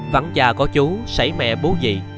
vắng trà có chú sảy mẹ bú dị